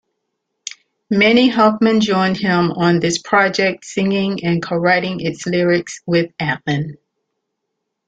Mani Hoffman joined him on this project, singing and co-writing its lyrics with Atlan.